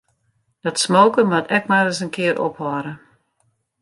Dat smoken moat ek mar ris in kear ophâlde.